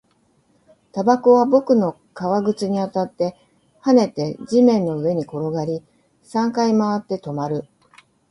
タバコは僕の革靴に当たって、跳ねて、地面の上に転がり、三回回って、止まる